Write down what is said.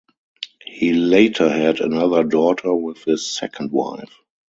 He later had another daughter with his second wife.